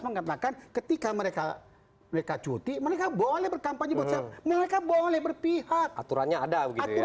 mengatakan ketika mereka mereka cuti mereka boleh berkampanye mereka boleh berpihak aturannya ada